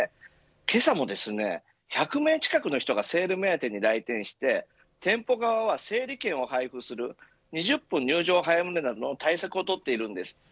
けさも１００名近くの人がセール目当てに来店して店舗側は整理券を配布する２０分、入場を早めるなどの対策をとっているんです。